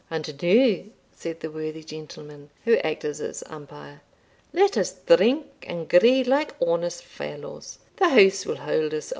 "And now," said the worthy gentleman who acted as umpire, "let us drink and gree like honest fellows The house will haud us a'.